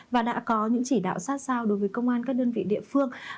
và đã có những chỉ đạo sát sao đối với công an các đơn vị địa phương